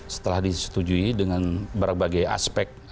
setelah disetujui dengan berbagai aspek